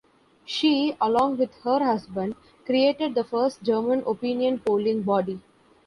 She, along with her husband, created the first German opinion-polling body.